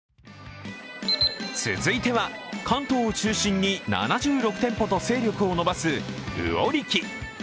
続いては、関東を中心に７６店舗と勢力を伸ばす魚力。